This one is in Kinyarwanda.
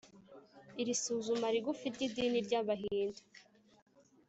iri suzuma rigufi ry’idini ry’abahindu